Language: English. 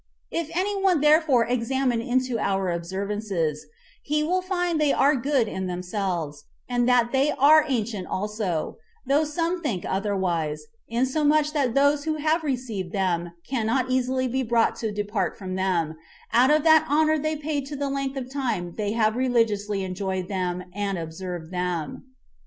If any one therefore examine into our observances, he will find they are good in themselves, and that they are ancient also, though some think otherwise, insomuch that those who have received them cannot easily be brought to depart from them, out of that honor they pay to the length of time they have religiously enjoyed them and observed them.